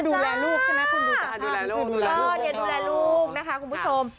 อันนี้คือดูแลลูกน่ะคุณผู้ชมนี่คือดูแลลูกนะคุณผู้ชม